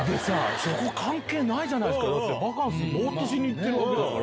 そこ関係ないじゃないですかボっとしに行ってるわけだから。